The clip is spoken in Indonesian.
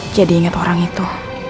jadi inget orang itu